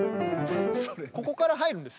ここから入るんです。